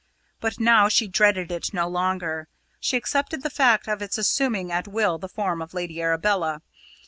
But now she dreaded it no longer. She accepted the fact of its assuming at will the form of Lady Arabella.